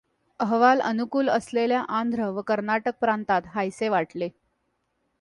अहवाल अनुकूल असलेल्या आंध्र व कर्नाटक प्रांतांना हायसे वाटले.